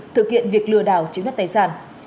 thực hiện việc lừa đảo chiếm đất tài sản